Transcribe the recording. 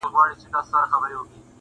زلزله به یې په کور کي د دښمن سي؛